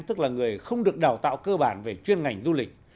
tức là người không được đào tạo cơ bản về chuyên ngành du lịch